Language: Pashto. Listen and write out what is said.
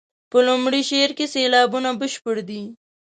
په لومړي شعر کې سېلابونه بشپړ دي.